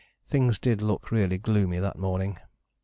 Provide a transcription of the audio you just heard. Things did look really gloomy that morning.